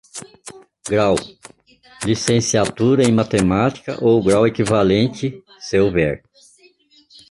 Grau: Licenciatura em Matemática, ou grau equivalente, se houver.